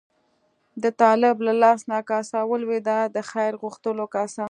د طالب له لاس نه کاسه ولوېده، د خیر غوښتلو کاسه.